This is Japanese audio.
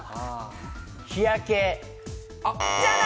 日焼け。